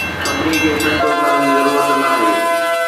سڀني کي سجدو ڪرڻ جي ضرورت ناهي